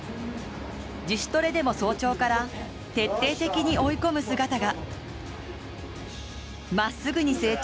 自主トレでも早朝から徹底的に追い込む姿が。